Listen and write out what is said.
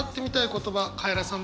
言葉カエラさん